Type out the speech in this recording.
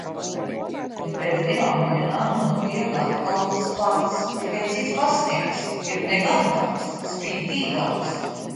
Bet pēc divām dienām notiek atkal tas pats, tikai cits pastnieks ir negantāks, spītīgāks.